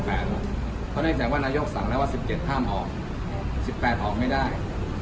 เพราะเนื่องจากว่านายกสั่งแล้วว่า๑๗ห้ามออก๑๘ออกไม่ได้